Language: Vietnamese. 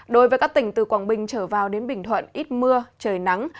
đối với các tỉnh từ quảng bình trở vào đến bình thuận ít mưa trời nắng